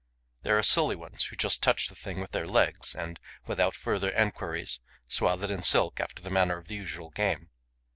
There are silly ones who just touch the thing with their legs and, without further enquiries, swathe it in silk after the manner of the usual game.